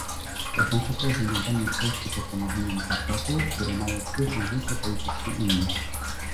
Oznacza to, że nadanie treści postanowieniom Traktatu, które mają wpływ na życie polityczne Unii